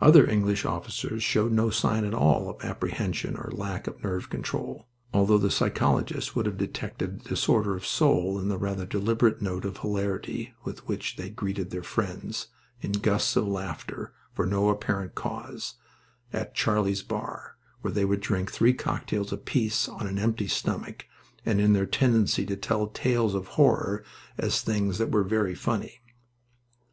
Other English officers showed no sign at all of apprehension or lack of nerve control, although the psychologist would have detected disorder of soul in the rather deliberate note of hilarity with which they greeted their friends, in gusts of laughter, for no apparent cause, at "Charlie's bar," where they would drink three cocktails apiece on an empty stomach, and in their tendency to tell tales of horror as things that were very funny.